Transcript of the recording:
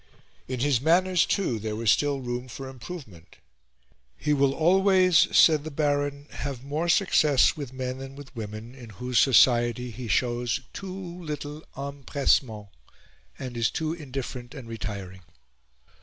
In his manners, too, there was still room for improvement. "He will always," said the Baron, "have more success with men than with women, in whose society he shows too little empressement, and is too indifferent and retiring."